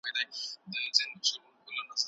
کمپيوټر سکرين ريکارډ کوي.